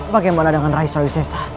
bagaimana dengan rai soe sessa